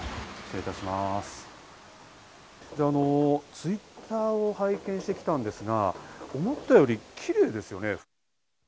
Ｔｗｉｔｔｅｒを拝見して来たんですが、思ったよりきれいですね。